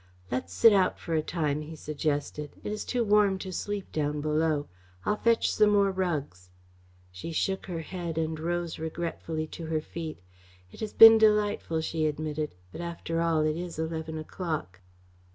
"Let's sit out for a time," he suggested. "It is too warm to sleep down below. I'll fetch some more rugs." She shook her head and rose regretfully to her feet. "It has been delightful," she admitted, "but after all it is eleven o'clock."